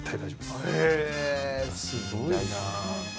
すごいなあ。